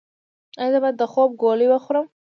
ایا زه باید د خوب ګولۍ وخورم؟